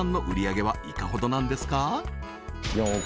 こちらいかほどなんですか？